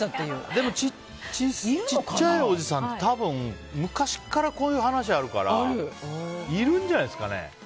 でも小さいおじさん多分、昔からこういう話あるからいるんじゃないですかね。